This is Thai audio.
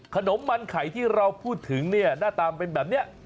ขนมมันไข่ที่เราพูดถึงเนี่ยหน้าตามันเป็นแบบนี้